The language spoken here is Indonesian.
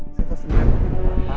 itu udah lama udah lama